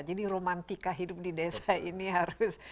jadi romantika hidup di desa ini harus